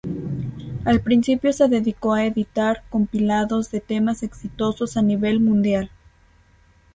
Al principio se dedicó a editar compilados de temas exitosos a nivel mundial.